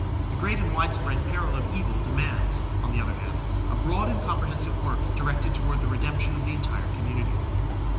The great and widespread peril of evil demands, on the other hand, a broad and comprehensive work directed toward the redemption of the entire community.